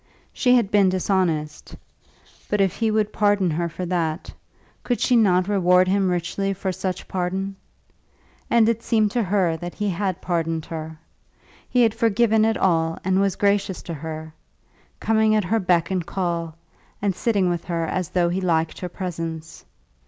She had been dishonest; but if he would pardon her for that, could she not reward him richly for such pardon? And it seemed to her that he had pardoned her. He had forgiven it all and was gracious to her, coming at her beck and call, and sitting with her as though he liked her presence.